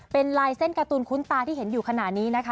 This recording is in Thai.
เป็นลายเส้นการ์ตูนคุ้นตาที่เห็นอยู่ขณะนี้นะคะ